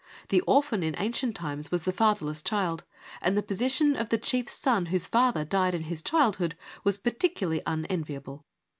The orphan in ancient times was the fatherless child, and the posi tion of the chief's son whose father died in his childhood was particularly unenviable.